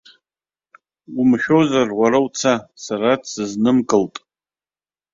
Умшәозар уара уца, сара дсызнымкылт.